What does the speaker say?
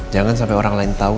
jangan sampai orang lain tahu